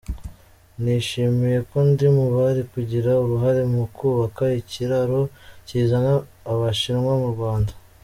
Nishimiye ko ndi mu bari kugira uruhare mu kubaka ikiraro kizana Abashinwa mu Rwanda.